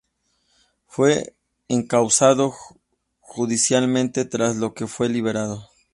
Fue encausado judicialmente, tras lo que fue liberado.